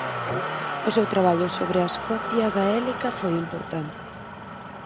O seu traballo sobre a Escocia gaélica foi importante.